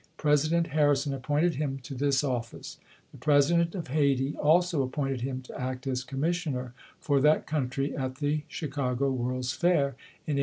President Harrison appointed him to this office. The President of Hayti also appointed him to act as commissioner for that country at the Chicago World's Fair in 1893.